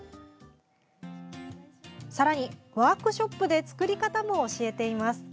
さらに、ワークショップで作り方も教えています。